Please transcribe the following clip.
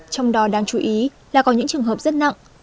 trong đó đáng chú ý là có những trường hợp rất nặng